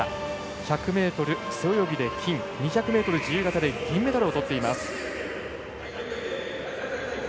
１００ｍ背泳ぎで金２００ｍ自由形で銀メダルをとっています。